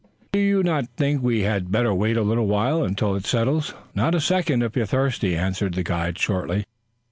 "Do you not think we had better wait a little while until it settles?" "Not a second, if you're thirsty," answered the guide shortly.